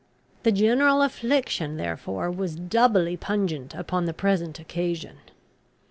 The general affliction, therefore, was doubly pungent upon the present occasion.